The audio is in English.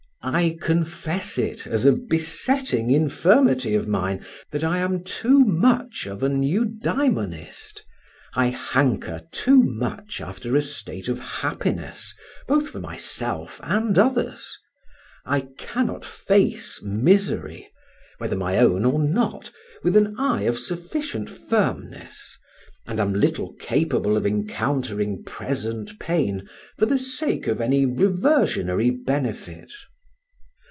I confess it, as a besetting infirmity of mine, that I am too much of an Eudæmonist; I hanker too much after a state of happiness, both for myself and others; I cannot face misery, whether my own or not, with an eye of sufficient firmness, and am little capable of encountering present pain for the sake of any reversionary benefit.